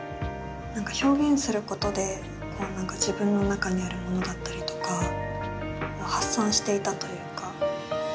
表現することで何か自分の中にあるものだったりとかを発散していたというか。